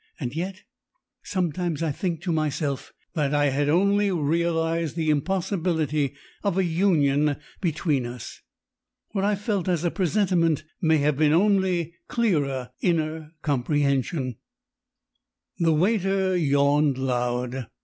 And yet! Sometimes I think to myself that I had only realised the impossibility of a union between us. What I felt as a presentiment may have been only clearer inner comprehension." The waiter yawned loud.